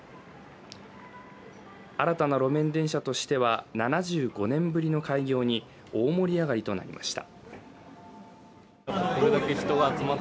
新たな路面電車としては７５年ぶりの開業に大盛り上がりとなりました。